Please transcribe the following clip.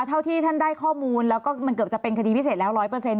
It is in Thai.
เท่าที่ท่านได้ข้อมูลเหมือนจะเป็นคดีพิเศษแล้ว๑๐๐